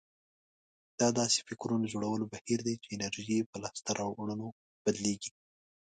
دا داسې فکرونه جوړولو بهير دی چې انرژي يې په لاسته راوړنو بدلېږي.